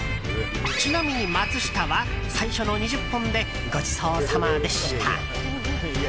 ちなみにマツシタは最初の２０本でごちそうさまでした。